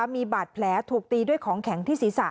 มีบาดแผลถูกตีด้วยของแข็งที่ศีรษะ